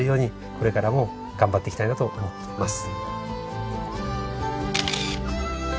これからも頑張っていきたいなと思っています。